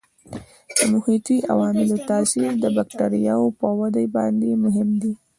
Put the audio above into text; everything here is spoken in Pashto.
د محیطي عواملو تاثیرات د بکټریاوو په وده باندې مهم دي.